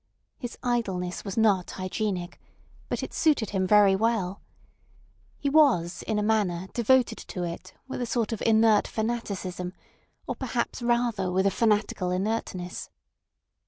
His idleness was not hygienic, but it suited him very well. He was in a manner devoted to it with a sort of inert fanaticism, or perhaps rather with a fanatical inertness.